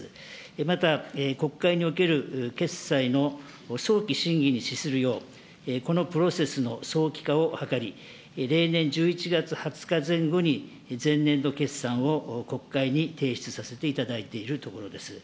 また、国会における決裁の早期審議に資するよう、このプロセスの早期化を図り、例年１１月２０日前後に前年度決算を国会に提出されているところです。